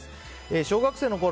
小学生のころ